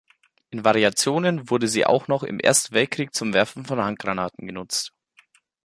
In Variationen wurde sie auch noch im Ersten Weltkrieg zum Werfen von Handgranaten genutzt.